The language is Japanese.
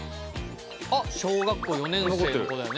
あっ小学校４年生の子だよね。